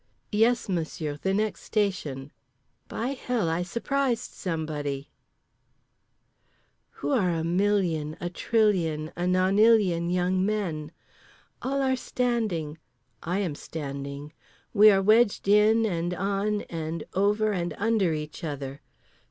"Yes, Monsieur, the next station." By Hell I surprised somebody…. Who are a million, a trillion, a nonillion young men? All are standing. I am standing. We are wedged in and on and over and under each other.